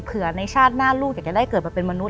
เผื่อในชาติหน้าลูกจะได้เกิดมาเป็นมนุษย์